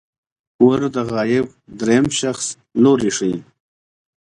ور د غایب دریم شخص لوری ښيي.